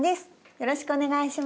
よろしくお願いします。